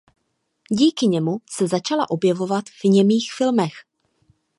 Díky němu se začala objevovat v němých filmech.